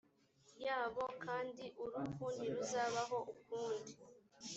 yabo kandi urupfu ntiruzabaho ukundi